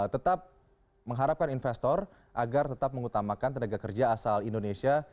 tetap mengharapkan investor agar tetap mengutamakan tenaga kerja asal indonesia